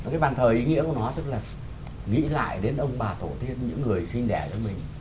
cái bàn thờ ý nghĩa của nó tức là nghĩ lại đến ông bà thổ thiên những người sinh đẻ cho mình